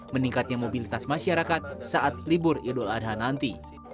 meningkatnya mobilitas masyarakat saat libur idul adha nanti